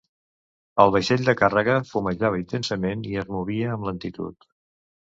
El vaixell de càrrega fumejava intensament i es movia amb lentitud.